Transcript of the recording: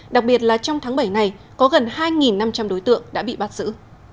đặc biệt là trong tháng bảy này có gần hai năm trăm linh đối tượng đã bị bắt giữ